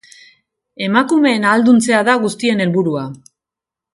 Emakumeen ahalduntzea da guztien helburua.